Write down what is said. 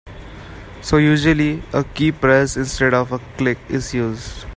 So usually a keypress instead of a click is used.